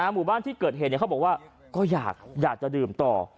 หมู่บ้านที่เกิดเหตุเขาบอกว่าก็อยากจะดื่มต่อ